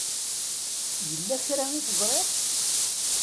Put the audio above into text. Yella kra i teẓṛiḍ?